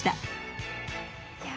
いや